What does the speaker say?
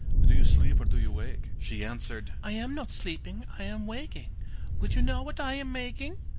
Do you sleep or do you wake?' She answered: 'I am not sleeping, I am waking, Would you know what I am making?